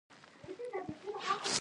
سرونه یې یو تر بله سره جارواته.